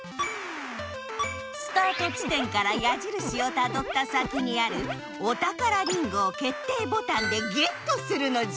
スタート地点からやじるしをたどった先にあるお宝りんごを決定ボタンでゲットするのじゃ！